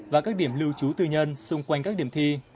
và các điểm lưu trú tư nhân xung quanh các điểm thi